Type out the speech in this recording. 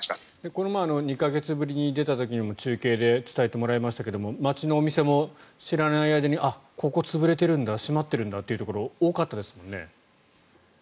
この前２か月ぶりに出た時にも中継で伝えてもらいましたが街のお店も知らない間にここ、潰れてるんだ閉まっているんだっていうところがそうですね。